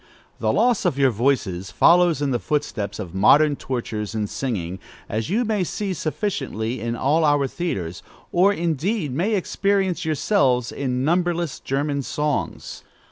The loss of your voices follows in the footsteps of modern tortures in singing, as you may see sufficiently in all our theatres, or, indeed, may experience yourselves in numberless German songs.